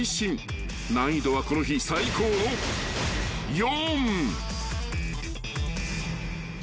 ［難易度はこの日最高の４］